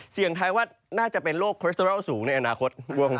เสียงไทยว่าน่าจะเป็นโรคเครสเตอรัลสูงในอนาคต